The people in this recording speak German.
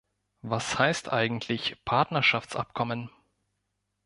Was heißt eigentlich Partnerschaftsabkommen?